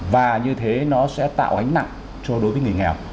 và như thế nó sẽ tạo gánh nặng cho đối với người nghèo